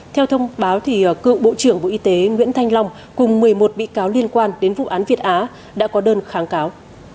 theo thông báo cựu bộ trưởng bộ y tế nguyễn thanh long cùng một mươi một bị cáo liên quan đến vụ án việt á đã có đơn kháng cáo